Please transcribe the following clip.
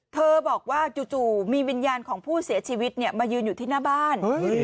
เธอบอกว่าจู่มีวิญญาณของผู้เสียชีวิตมายืนอยู่ที่หน้าบ้าน